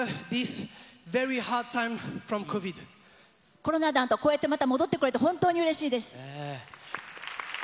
コロナのあと、こうやってまた戻ってこれて、本当にうれしいです。